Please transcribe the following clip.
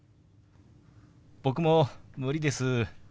僕も無理です。